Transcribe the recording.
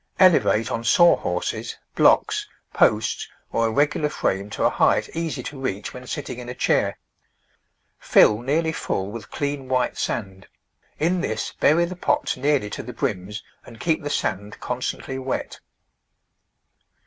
Elevate on saw horses, blocks, posts or a regular frame to a height easy to reach when sitting in a chair. Fill nearly full with clean white sand ; in this bury the pots nearly to the brims and keep the sand constantly wet.